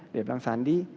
dia bilang sandi